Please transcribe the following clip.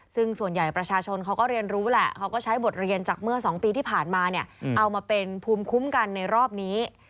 ซึ่งส่วนใหญ่ประชาชนเขาก็เรียนรู้แหละเขาก็ใช้บทเรียนจากเมื่อ๒ปีที่ผ่านมาเนี่ยเอามาเป็นภูมิคุ้มกันในรอบนี้